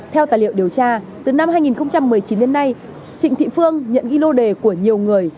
theo tài liệu điều tra từ năm hai nghìn một mươi chín đến nay trịnh thị phương nhận ghi lô đề của nhiều người